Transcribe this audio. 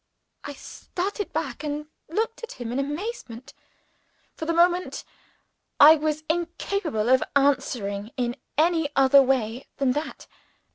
I started back, and looked at him in amazement. For the moment, I was incapable of answering in any other way than that.